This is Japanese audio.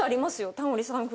タモリさん風